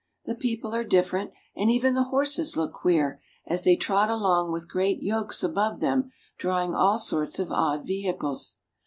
The people are different, and even the horses look queer, as they trot along with great yokes above them, draw ing all sorts of odd vehi cles.